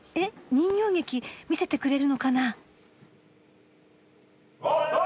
人形劇見せてくれるのかな。